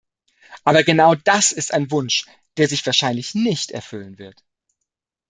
Aber genau das ist ein Wunsch, der sich wahrscheinlich nicht erfüllen wird.